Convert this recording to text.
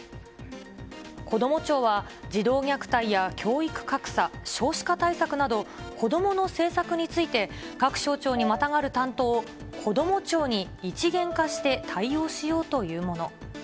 こども庁は児童虐待や教育格差、少子化対策など、子どもの政策について、各省庁にまたがる担当をこども庁に一元化して対応しようというもの。